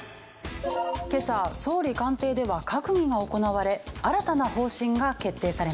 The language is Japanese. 今朝総理官邸では閣議が行われ新たな方針が決定されました。